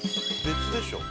別でしょ。